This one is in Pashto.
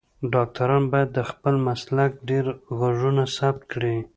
ډاکټران باید د خپل مسلک ډیر غږونه ثبت کړی